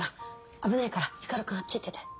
危ないから光くんあっち行ってて。